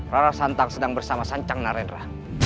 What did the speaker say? rara santang sedang bersama sancang narendra